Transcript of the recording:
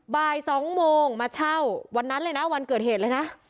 บ่าย๒โมงมาเช่าวันนั้นเลยนะวันเกิดเหตุเลยนะ